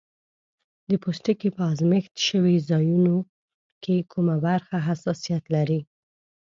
د پوستکي په آزمېښت شوي ځایونو کې کومه برخه حساسیت لري؟